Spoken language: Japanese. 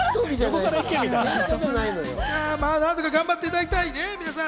まぁ何とか頑張っていただきたいね、皆さん。